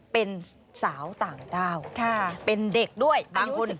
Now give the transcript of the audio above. เป็นสาวต่างด้าวเป็นเด็กด้วยบางคน